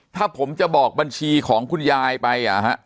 ถ้าผมจะบอกบัญชีของคุณยายไป